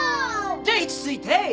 じゃ位置ついて。